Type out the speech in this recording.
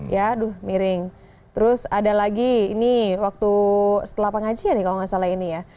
ya aduh miring terus ada lagi ini waktu setelah pengajian nih kalau nggak salah ini ya